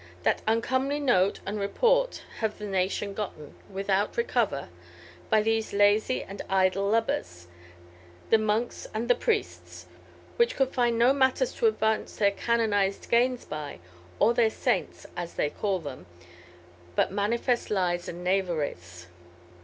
That uncomely note and report have the nation gotten, without recover, by these laisy and idle lubbers, the monkes and the priestes, which could find no matters to advance their canonized gains by, or their saintes, as they call them, but manifest lies and knaveries."